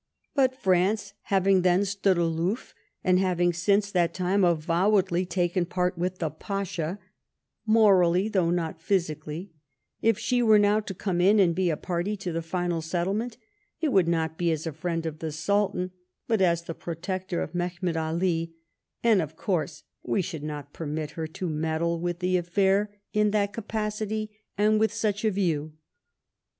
But France having then stood aloof, and having since that time avowedly taken part with the Pasha, morally though not physically, if she were now to come in and be a party to the final settlement, it would not be as a friend of the Sultan, but as the pro tector of Mehemet Ali ; and of course we should not permit her to meddle with the affair in that capacity and with such a view.